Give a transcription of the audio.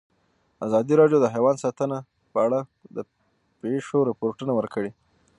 ازادي راډیو د حیوان ساتنه په اړه د پېښو رپوټونه ورکړي.